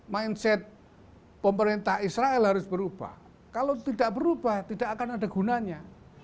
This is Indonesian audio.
mindset pemerintah israel harus berubah kalau tidak berubah tidak akan ada gunanya